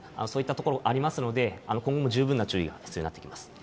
そういった所ありますので、今後も十分な注意が必要になってきます。